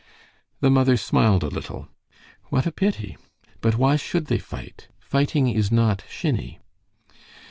The mother smiled a little. "What a pity! But why should they fight? Fighting is not shinny."